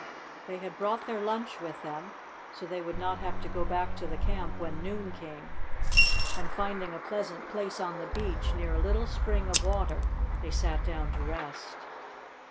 They had brought their lunch with them, so they would not have to go back to the camp when noon came, and, finding a pleasant place on the beach, near a little spring of water, they sat down to rest.